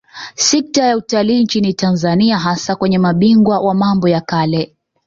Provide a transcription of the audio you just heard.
Sekta ya Utalii nchini Tanzania hasa kwenye mabingwa wa mambo ya kale